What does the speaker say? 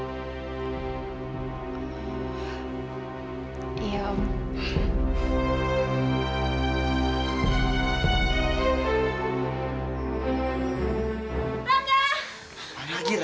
jadi sekarang kamu pikirin